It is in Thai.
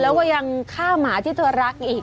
แล้วก็ยังฆ่าหมาที่เธอรักอีก